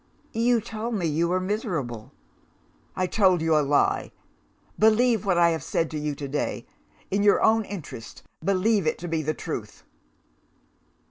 "'You told me you were miserable.' "'I told you a lie! Believe what I have said to you to day. In your own interests, believe it to be the truth!